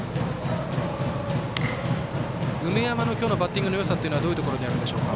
梅山の今日のバッティングのよさというのはどういうところにあるんでしょうか。